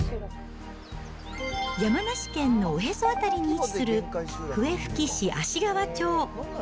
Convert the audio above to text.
山梨県のおへそ辺りに位置する、笛吹市芦川町。